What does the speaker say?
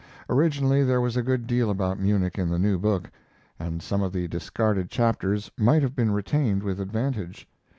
Originally there was a good deal about Munich in the new book, and some of the discarded chapters might have been retained with advantage.